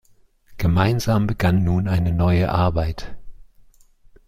Gemeinsam begann nun eine neue Arbeit.